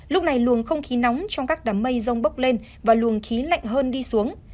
lúc này luồng không khí nóng trong các đám mây rông bốc lên và luồng khí lạnh hơn đi xuống